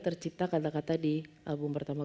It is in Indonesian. tercipta kata kata di album pertama